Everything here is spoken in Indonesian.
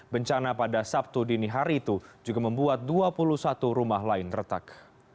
bencana pada sabtu dini hari itu juga membuat dua puluh satu rumah lain retak